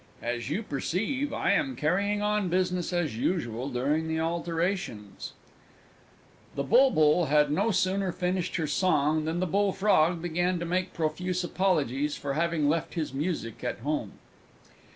"As you perceive, I am carrying on business as usual during the alterations." The Bulbul had no sooner finished her song than the Bullfrog began to make profuse apologies for having left his music at home.